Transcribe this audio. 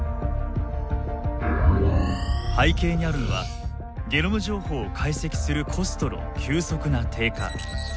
背景にあるのはゲノム情報を解析するコストの急速な低下。